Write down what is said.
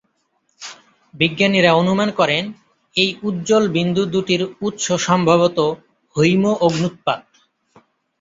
বিজ্ঞানীরা অনুমান করেন, এই উজ্জ্বল বিন্দু দু’টির উৎস সম্ভবত হৈম-অগ্ন্যুৎপাত।